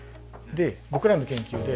僕らの研究で。